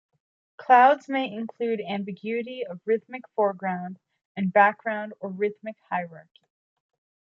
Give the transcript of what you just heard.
Clouds may include ambiguity of rhythmic foreground and background or rhythmic hierarchy.